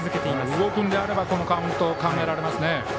動くのであればこのカウント、考えられますね。